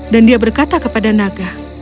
dan dia berkata kepada naga